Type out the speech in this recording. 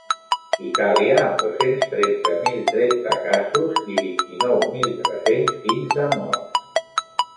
Itàlia, amb dos-cents tretze mil tretze casos i vint-i-nou mil tres-cents quinze morts.